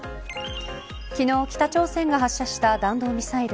昨日、北朝鮮が発射した弾道ミサイル。